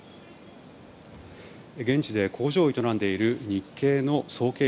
現地で工場を営んでいる日系の方